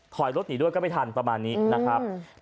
ถอยรถหนีด้วยก็ไม่ทันประมาณนี้นะครับ